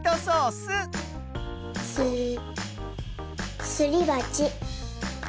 スすりばち。